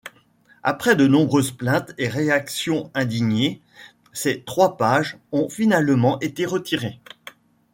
Après de nombreuses plaintes et réactions indignées, ces trois pages ont finalement été retirées.